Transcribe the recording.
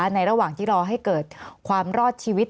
ระหว่างที่รอให้เกิดความรอดชีวิต